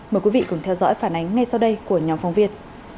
mời quý vị cùng theo dõi phản ánh ngay sau đây của nhóm phóng viên